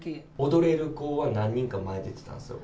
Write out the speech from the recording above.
踊れる子は何人か前、出てたんですよ。